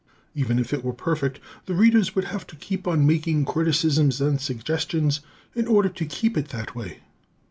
Even if it were perfect, the Readers would have to keep on making criticisms and suggestions in order to keep it that way.